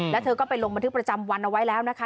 แล้วเธอก็ไปลงบันทึกประจำวันเอาไว้แล้วนะคะ